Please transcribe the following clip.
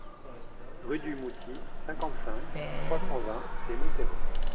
Rue du Mouty, cinquante-cinq, trois cent vingt Les Monthairons